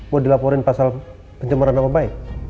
mau dilaporin pasal pencemaran nama baik